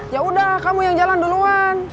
yaudah kamu yang jalan duluan